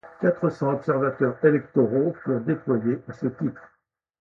Quatre cents observateurs électoraux furent déployés à ce titre.